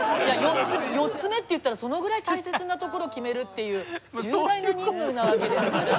４つ目っていったらそのぐらい大切なところを決めるっていう壮大な任務のわけですよね。